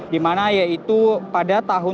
dimana yaitu pada tahun dua ribu sembilan belas